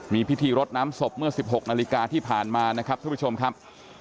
มีพิธีรดน้ำศพเมื่อ๑๖นาฬิกาที่ผ่านมานะครับทุกผู้ชมครับ